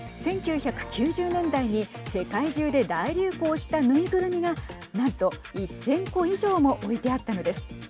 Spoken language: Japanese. １９９０年代に世界中で大流行した縫いぐるみが何と１０００個以上も置いてあったのです。